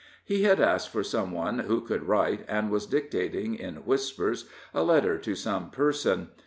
He had asked for some one who could write, and was dictating, in whispers, a letter to some person.